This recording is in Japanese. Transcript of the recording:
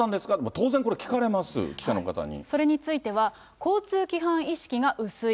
当然これ、聞かれます、記者の方それについては、交通規範意識が薄い。